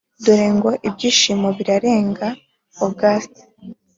dore ngo ibyishimo birarenga august